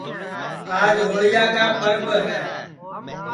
آج ہوݪیا کا پرٻ ہے